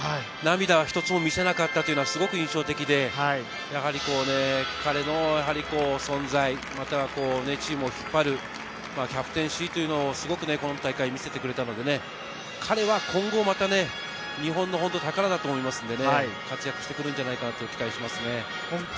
涙は一つも見せなかったというのはすごく印象的で、やはり彼の存在、チームを引っ張るキャプテンシーというのを今大会見せてくれたので、彼は今後また日本の宝だと思いますので、活躍してくれるんじゃないかなと期待します。